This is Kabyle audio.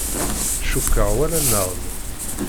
Cukkeɣ walan-aɣ-d.